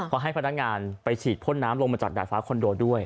เขาให้พนักงานไปฉีดพ่นน้ำลงมาจากดาดฟ้าคอนโดด้วย